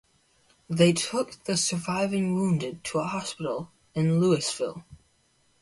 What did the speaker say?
They took the surviving wounded to a hospital in Louisville.